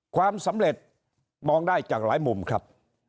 ความสำเร็จมองได้จากหลายมุมครับ